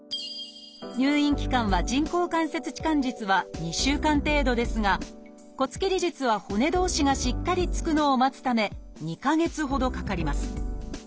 入院期間は人工関節置換術は２週間程度ですが骨切り術は骨同士がしっかりつくのを待つため２か月ほどかかります。